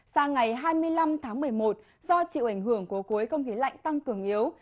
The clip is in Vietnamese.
sang ngày hai mươi năm tháng một mươi một do chịu ảnh hưởng của khối không khí lạnh tăng cường yếu